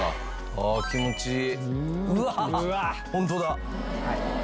ああ気持ちいい。